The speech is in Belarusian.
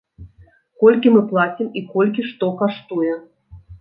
Колькі мы плацім і колькі што каштуе?